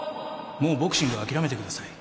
もうボクシングは諦めてください。